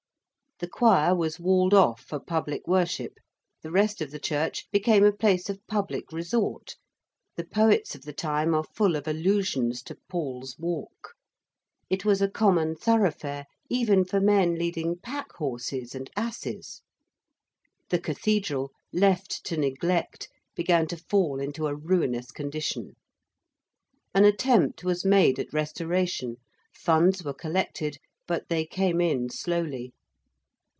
The choir was walled off for public worship: the rest of the church became a place of public resort: the poets of the time are full of allusions to Paul's Walk. It was a common thoroughfare even for men leading pack horses and asses. The Cathedral, left to neglect, began to fall into a ruinous condition. An attempt was made at restoration: funds were collected, but they came in slowly.